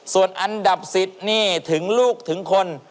ส่วนอันดับ๑๐นี่ถึงลูกถึงคน